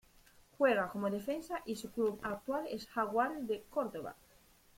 Juega como defensa y su club actual es Jaguares de Córdoba